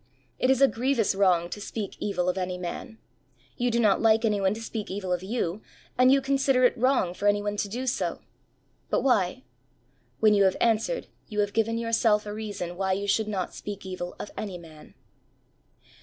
It is a grievous wrong to speak evil of any man. You do not like any one to speak evil of you, and you consider it wrong for anyone to do so. But why? When you have answered you have given yourself a reason why you should not speak evil of any man.